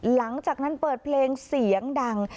หลังจากนั้นเปิดเพลงเสียงดัง